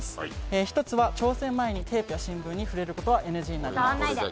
１つは挑戦前にテープや新聞に触れることはＮＧになります。